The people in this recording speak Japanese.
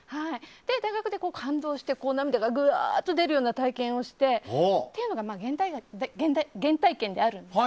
で、大学で感動して涙が、ぐわーっと出るような体験をしてというのが原体験であるんです。